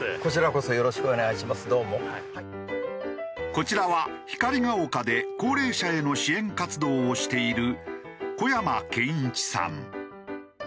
こちらは光が丘で高齢者への支援活動をしている小山謙一さん。